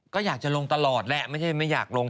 ก็อยากจะลงตลอดแหละไม่ใช่ไม่อยากลง